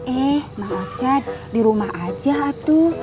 eh mak ocad di rumah aja atuk